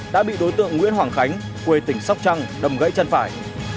đã bị đối tượng nguyễn hoàng khánh quê tỉnh sóc trăng đâm gãy chân phải